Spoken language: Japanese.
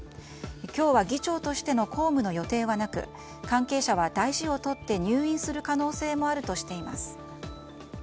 今日は議長としての公務の予定はなく関係者は大事を取って入院する可能性もあるとしています。